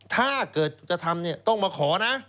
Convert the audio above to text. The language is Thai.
ถ้าเกิดจะทำเนี่ยต้องมาขอนะ